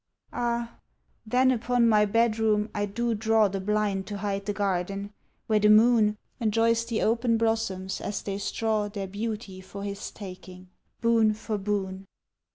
Ah, then, upon my bedroom I do draw The blind to hide the garden, where the moon Enjoys the open blossoms as they straw Their beauty for his taking, boon for boon.